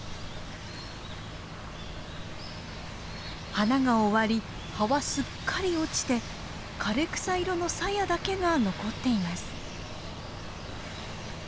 花が終わり葉はすっかり落ちて枯れ草色のさやだけが残っています。